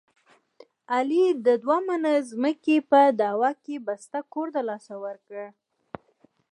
علي د دوه منه ځمکې په دعوه کې بسته کور دلاسه ورکړ.